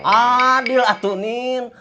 adil atuh nin